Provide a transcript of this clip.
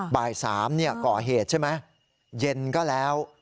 บ่าย๓ก่อเหตุใช่ไหมเย็นก็แล้ว